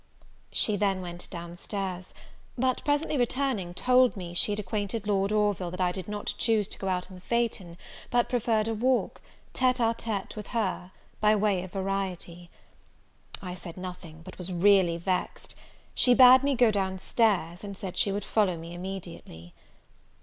She then went down stairs; but presently returning, told me she had acquainted Lord Orville that I did not choose to go out in the phaeton, but preferred a walk, tete e tete with her, by way of variety. I said nothing, but was really vexed. She bad me go down stairs, and said she would follow me immediately.